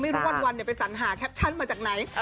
ไม่รู้วันไปสัญหาแคปชั่นมาจากไหน